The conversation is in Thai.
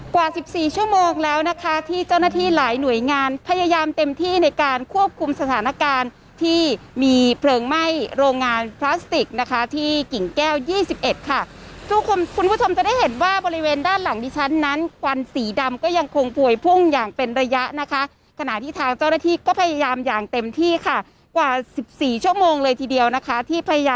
กว่าสิบสี่ชั่วโมงแล้วนะคะที่เจ้าหน้าที่หลายหน่วยงานพยายามเต็มที่ในการควบคุมสถานการณ์ที่มีเพลิงไหม้โรงงานพลาสติกนะคะที่กิ่งแก้ว๒๑ค่ะซึ่งคุณผู้ชมจะได้เห็นว่าบริเวณด้านหลังดิฉันนั้นควันสีดำก็ยังคงป่วยพุ่งอย่างเป็นระยะนะคะขณะที่ทางเจ้าหน้าที่ก็พยายามอย่างเต็มที่ค่ะกว่าสิบสี่ชั่วโมงเลยทีเดียวนะคะที่พ